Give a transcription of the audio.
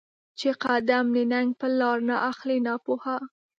چې قـــــدم د ننــــــــګ په لار ناخلې ناپوهه